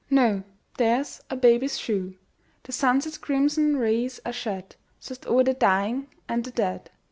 No, there's a baby's shoe! The sunset's crimson rays are shed Soft o'er the dying and the dead.